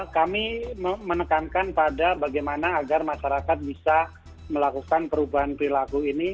kami menekankan pada bagaimana agar masyarakat bisa melakukan perubahan perilaku ini